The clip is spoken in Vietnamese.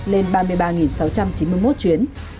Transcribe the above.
lên ba mươi ba sáu trăm chín mươi một chuyến